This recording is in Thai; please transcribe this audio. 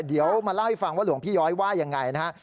เดี๋ยวมาเล่าให้ฟังว่าหลวงพี่ย้อยว่ายังไงนะฮะ